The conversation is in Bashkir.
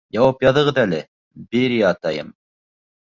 Яуап яҙығыҙ әле, Берия атайым.